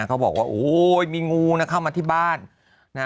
เขาบอกว่าโอ้ยมีงูนะเข้ามาที่บ้านนะ